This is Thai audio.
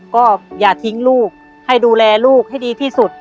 ก็อย่าทิ้งลูกให้ดูแลลูกให้ดีที่สุด